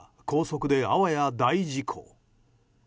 高速であわや大事故」。